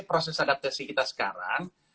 proses adaptasi kita sekarang